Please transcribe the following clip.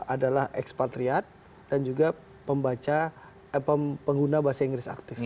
adalah ekspatriat dan juga pembaca pengguna bahasa inggris aktif